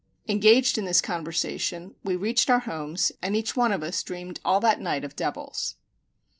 Engaged in this conversation, we reached our homes, and each one of us dreamed all that night of devils.